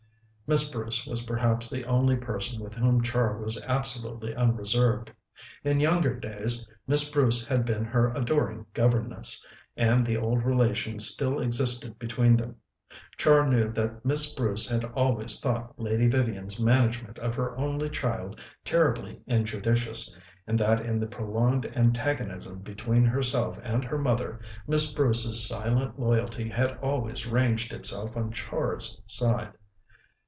Miss Bruce was perhaps the only person with whom Char was absolutely unreserved. In younger days Miss Bruce had been her adoring governess, and the old relations still existed between them. Char knew that Miss Bruce had always thought Lady Vivian's management of her only child terribly injudicious, and that in the prolonged antagonism between herself and her mother Miss Bruce's silent loyalty had always ranged itself on Char's side.